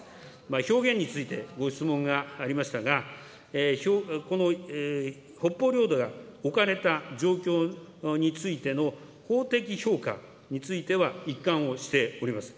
表現についてご質問がありましたが、この北方領土が置かれた状況についての法的評価については一貫をしております。